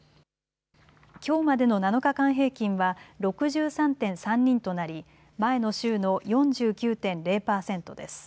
きょうまでの７日間平均は６３．３人となり前の週の４９．０％です。